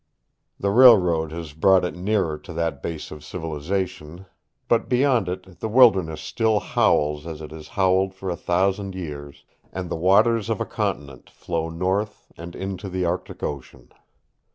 The railroad has brought it nearer to that base of civilization, but beyond it the wilderness still howls as it has howled for a thousand years, and the waters of a continent flow north and into the Arctic Ocean.